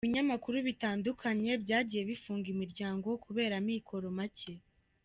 Ibinyamakuru bitandukanye byagiye bifunga imiryango kubera amikoro make.